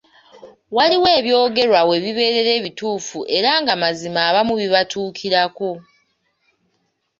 Waliwo ebyogerwa webibeerera ebituufu era nga mazima abamu bibatuukirako.